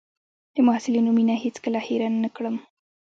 د محصلینو مينه هېڅ کله هېره نه کړم.